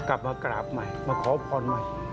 กลับมากราบใหม่มาขอพรใหม่